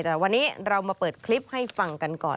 แต่วันนี้เรามาเปิดคลิปให้ฟังกันก่อน